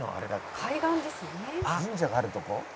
「神社があるとこ？」